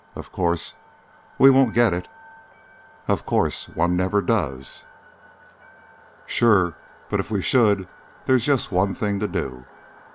Of course, we won't 'get it' " "Of course! One never does." "Sure! But if we should, there's just one thing to do."